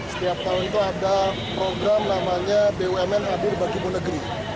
setiap tahun itu ada program namanya bumn adir bagimu negeri